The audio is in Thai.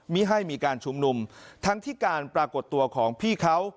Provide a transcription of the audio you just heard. ไม่ให้มีการชุมนุมทั้งที่การปรากฏตัวของพี่เขา